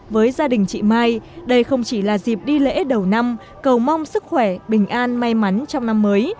với gia đình chị mai đây không chỉ là dịp đi lễ đầu năm cầu mong sức khỏe bình an may mắn trong năm mới